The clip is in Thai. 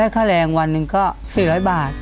ค่าแรงวันหนึ่งก็๔๐๐บาท